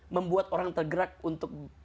membuat orang tergerak untuk